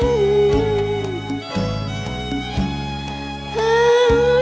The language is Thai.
ไม่ใช้ค่ะ